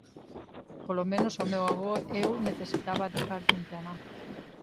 Polo menos ao meu avó eu necesitaba adicarlle un tema.